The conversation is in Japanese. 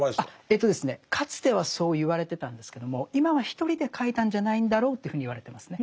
かつてはそう言われてたんですけども今は１人で書いたんじゃないんだろうというふうに言われてますね。